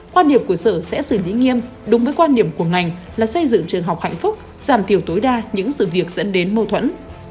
quan điểm của sở sẽ xử lý nghiêm đúng với quan điểm của ngành là xây dựng trường học hạnh phúc giảm thiểu tối đa những sự việc dẫn đến mâu thuẫn